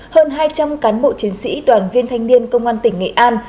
hơn hai trăm linh cán bộ chiến sĩ đoàn viên thanh niên công an tỉnh nghệ an